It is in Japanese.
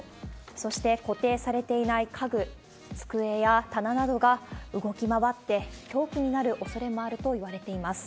そして、固定されていない家具、机や棚などが動き回って凶器になるおそれもあるといわれています。